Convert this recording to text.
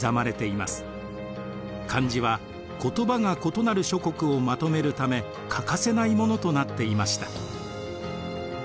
漢字は言葉が異なる諸国をまとめるため欠かせないものとなっていました。